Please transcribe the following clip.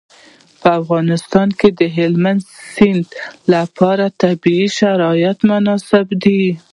په افغانستان کې د هلمند سیند لپاره طبیعي شرایط مناسب دي.